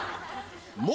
「も」！